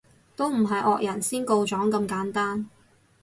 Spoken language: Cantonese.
都唔係惡人先告狀咁簡單